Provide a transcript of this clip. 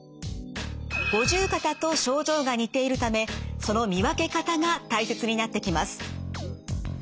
五十肩と症状が似ているためその見分け方が大切になってきます。